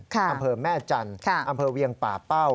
อำเภอแม่จันทร์อำเภอเวียงป่าเป้า